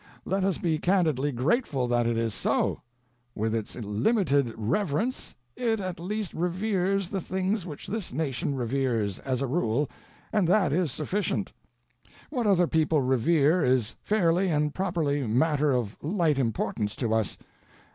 Let us be candidly grateful that it is so. With its limited reverence it at least reveres the things which this nation reveres, as a rule, and that is sufficient: what other people revere is fairly and properly matter of light importance to us.